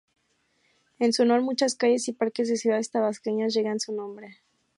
En su honor, muchas calles y parques de ciudades tabasqueñas llevan su nombre.